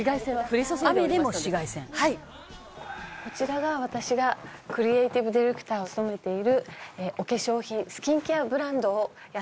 こちらが私がクリエイティブディレクターを務めているお化粧品スキンケアブランドをやっております。